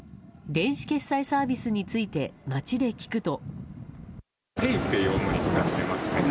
電子決済サービスについて街で聞くと。